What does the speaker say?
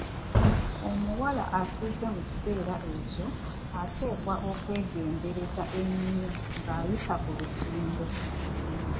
Omuwala atuuse mu kiseera ekyo oteekwa okwegendereza ennyo ng'ayita ku lutindo.